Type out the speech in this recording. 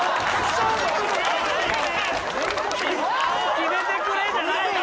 決めてくれじゃないよ。